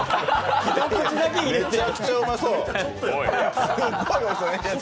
めちゃくちゃうまそう。